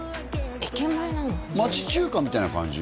駅前なんだ町中華みたいな感じ？